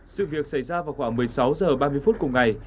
sự việc xảy ra vào khoảng một mươi sáu h ba mươi phút cùng ngày